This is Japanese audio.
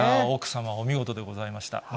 奥様、お見事でございました。